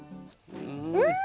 うん！